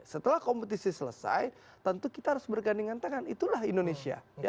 setelah kompetisi selesai tentu kita harus bergandingan tangan itulah indonesia